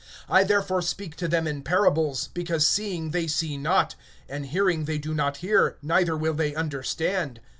(13)Therefore I speak to them in parables; because seeing they see not, and hearing they hear not, nor understand.